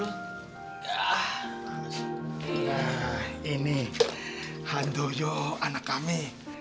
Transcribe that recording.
ya ini handoyo anak kami